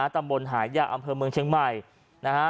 ตำบลหายาอำเภอเมืองเชียงใหม่นะฮะ